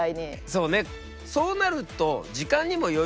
そうね